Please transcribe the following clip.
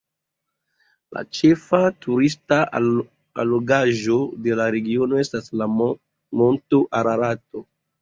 La ĉefa turista allogaĵo de la regiono estas la monto Ararato.